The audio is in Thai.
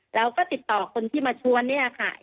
แล้วก็ติดต่อคนที่มาชวนเนี่ยค่ะ